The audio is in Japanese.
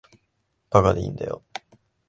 馬鹿でいいんだよ。